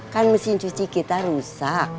kan mesin cuci kita rusak